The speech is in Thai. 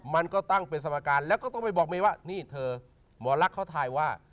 มันก็ตั้งเป็นสมการแล้วก็ต้องไปบอกเมย์ว่านี่เธอหมอลักษณ์เขาทายว่า